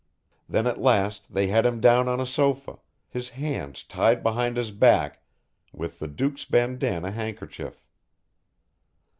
Then at last they had him down on a sofa, his hands tied behind his back with the Duke's bandanna handkerchief.